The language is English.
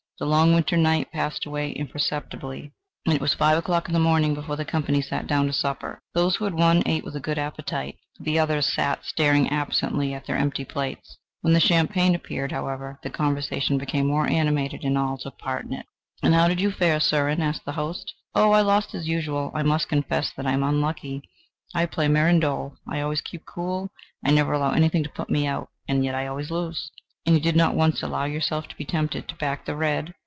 The long winter night passed away imperceptibly, and it was five o'clock in the morning before the company sat down to supper. Those who had won, ate with a good appetite; the others sat staring absently at their empty plates. When the champagne appeared, however, the conversation became more animated, and all took a part in it. "And how did you fare, Surin?" asked the host. "Oh, I lost, as usual. I must confess that I am unlucky: I play mirandole, I always keep cool, I never allow anything to put me out, and yet I always lose!" "And you did not once allow yourself to be tempted to back the red?...